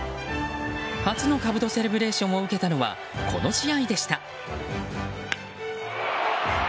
初のかぶとセレブレーションを受けたのはこの試合でした。